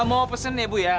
mau pesen ya bu ya